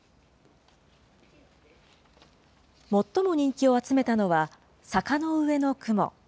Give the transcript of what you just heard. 最も人気を集めたのは、坂の上の雲。